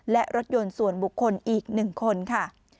และรถยนต์ส่วนบุคคลอีก๑คนค่ะ